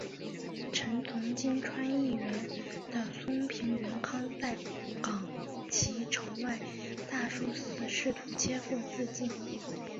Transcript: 臣从今川义元的松平元康在冈崎城外大树寺试图切腹自尽。